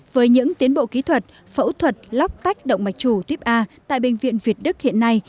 với những tiến bộ kỹ thuật phẫu thuật lóc tách động mạch chủ tuyếp a tại bệnh viện việt đức hiện nay